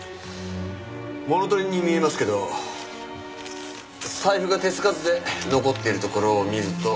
物盗りに見えますけど財布が手つかずで残っているところを見ると。